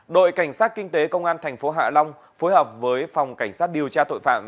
đội cảnh sát kinh tế công an thành phố hạ long phối hợp với phòng cảnh sát điều tra tội phạm